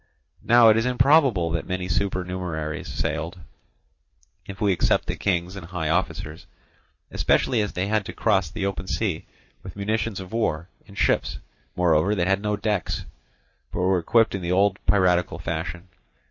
Now it is improbable that many supernumeraries sailed, if we except the kings and high officers; especially as they had to cross the open sea with munitions of war, in ships, moreover, that had no decks, but were equipped in the old piratical fashion.